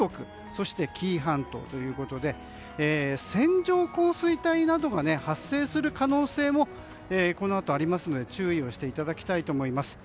そして紀伊半島ということで線状降水帯などが発生する可能性もこのあとありますので注意していただきたいと思います。